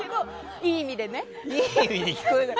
いい意味に聞こえない。